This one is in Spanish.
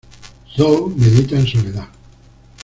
Zhou medita en soledad.